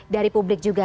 dari publik juga